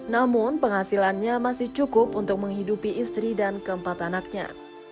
namun penghasilannya masih cukup untuk menghidupi istri dan keempat anaknya